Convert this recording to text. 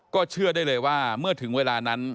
เชื่อได้เลยว่าเมื่อถึงเวลานั้น